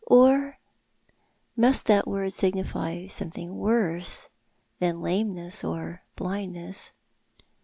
Or must that word signify something worse than lameness or blindness?